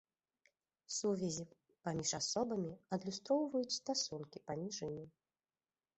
Сувязі паміж асобамі адлюстроўваюць стасункі паміж імі.